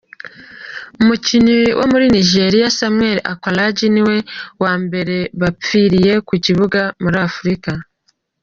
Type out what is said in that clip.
Umukinyi wo muri Nigeria, Samuel Okwaraji niwe wa mbere yapfiriye ku kibuga muri Afrika.